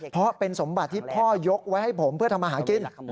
เพราะเป็นสมบัติที่พ่อยกไว้ให้ผมเพื่อทำมาหากิน